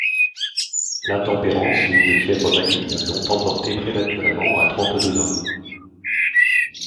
L'intempérance et une fièvre maligne l'ont emporté prématurément à trente-deux ans.